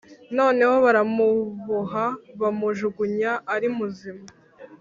noneho baramuboha bamujugunya ari muzima